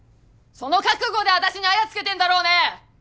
その覚悟で私にアヤつけてんだろうね！